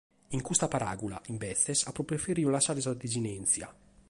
In custa paràula, imbetzes, apo prefertu lassare sa desinèntzia.